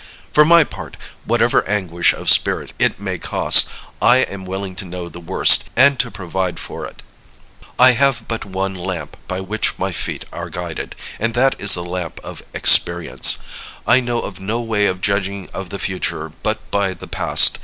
For my part, whatever anguish of spirit it may cost, I am willing to know the worst, and to provide for it. I have but one lamp by which my feet are guided; and that is the lamp of experience. I know of no way of judging of the future but by the past.